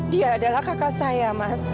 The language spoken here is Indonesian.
dia adalah kakak saya mas